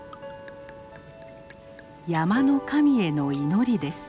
山の神への祈りです。